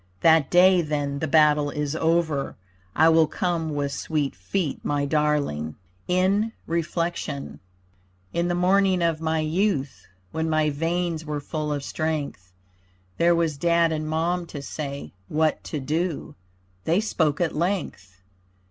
That day, then the battle is over, I will come with swift feet, my Darling. IN REFLECTION In the morning of my youth When my veins were full of strength There was Dad and Mom to say What to do. They spoke at length.